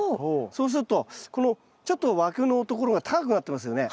そうするとこのちょっと枠のところが高くなってますよね。